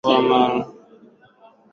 Mwaka huu tulivuna sana mpunga